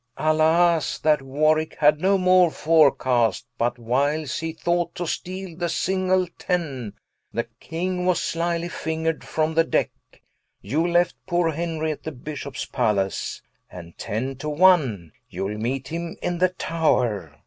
Rich. Alas, that Warwicke had no more fore cast, But whiles he thought to steale the single Ten, The King was slyly finger'd from the Deck: You left poore Henry at the Bishops Pallace, And tenne to one you'le meet him in the Tower Edw.